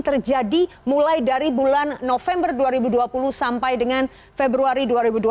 terjadi mulai dari bulan november dua ribu dua puluh sampai dengan februari dua ribu dua puluh